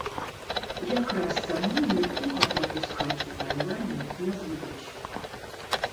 Якраз таму нікога прапускаць у парламент не будуць.